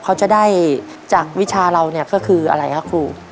เขาจะได้จากวิชาเราก็คืออะไรครับครู